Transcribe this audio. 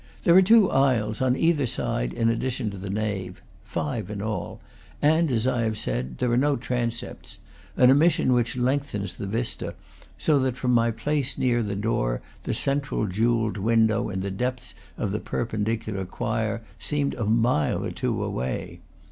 There are two aisles, on either side, in addi tion to the nave, five in all, and, as I have said, there are no transepts; an omission which lengthens the vista, so that from my place near the door the central jewelled window in the depths of the perpen dicular choir seemed a mile or two away.